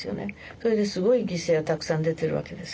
それですごい犠牲がたくさん出てるわけですね。